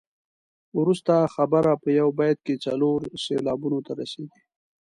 وروسته خبره په یو بیت کې څلور سېلابونو ته رسيږي.